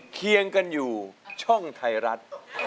เคียงกันอยู่ช่องไทยรัฐ